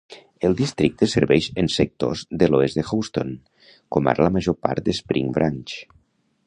El districte serveix en sectors de l'oest de Houston, com ara la major part de Spring Branch.